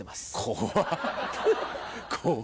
怖っ！